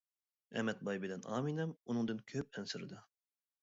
ئەمەت باي بىلەن ئامىنەم ئۇنىڭدىن كۆپ ئەنسىرىدى.